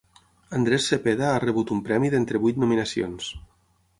Andrés Cepeda ha rebut un premi d'entre vuit nominacions.